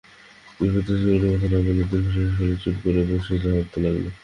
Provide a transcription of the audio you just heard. বিপ্রদাস কোনো কথা না বলে দীর্ঘনিশ্বাস ফেলে চুপ করে বসে ভাবতে লাগল।